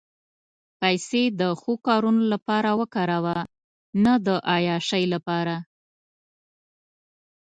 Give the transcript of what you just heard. پېسې د ښو کارونو لپاره وکاروه، نه د عیاشۍ لپاره.